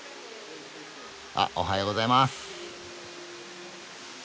あおはようございます。